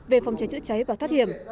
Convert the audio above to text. về phòng cháy chữa cháy và thoát hiểm